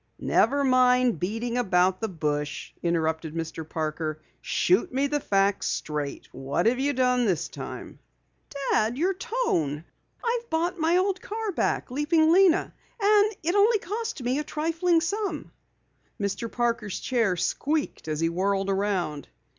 "Never mind beating about the bush," interrupted Mr. Parker. "Shoot me the facts straight. What have you done this time?" "Dad, your tone! I've bought back my old car, Leaping Lena. And it only cost me a trifling sum." Mr. Parker's chair squeaked as he whirled around.